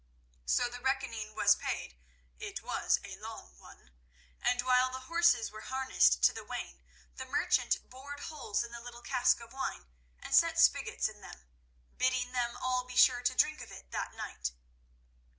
So the reckoning was paid—it was a long one—and while the horses were harnessed to the wain the merchant bored holes in the little cask of wine and set spigots in them, bidding them all be sure to drink of it that night.